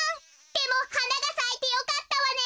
でもはながさいてよかったわね。